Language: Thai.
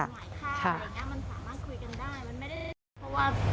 มันสามารถคุยกันได้มันไม่ได้